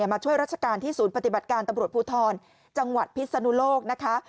มาช่วยราชการที่ศูนย์ปฏิบัติการตำรวจภูทรจังหวัดพิศนุโลกนะคะ